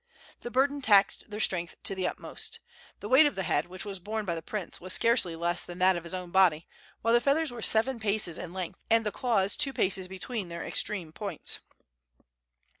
The burden taxed their strength to the utmost. The weight of the head, which was borne by the prince, was scarcely less than that of his own body, while the feathers were seven paces in length, and the claws two paces between their extreme points.